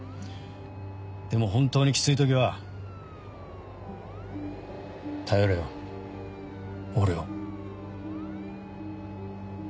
でも本当にキツい時は頼れよ俺を。